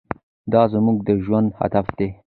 دا زموږ د ژوند هدف دی.